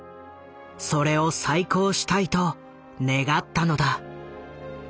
それを再興したいと願ったのだ。